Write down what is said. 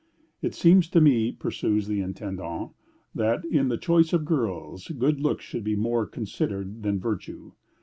"It seems to me," pursues the intendant, "that in the choice of girls, good looks should be more considered than virtue."